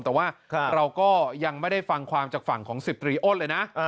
แต่ว่าเราก็ยังไม่ได้ฟังความจากฝั่งของ๑๐ตรีอ้นเลยนะ